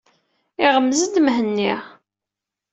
Iɣmez-d Mhenni.